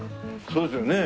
そうですよね。